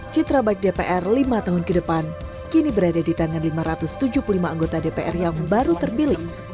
citra baik dpr lima tahun ke depan kini berada di tangan lima ratus tujuh puluh lima anggota dpr yang baru terpilih